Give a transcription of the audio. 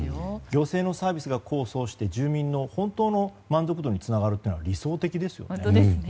行政のサービスが功を奏して住民の本当の満足度につながるというのは理想的ですよね。